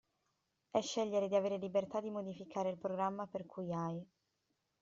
È scegliere di avere libertà di modificare il programma per cui hai.